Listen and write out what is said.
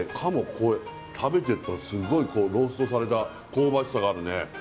これ食べてるとすごいローストされた香ばしさがあるね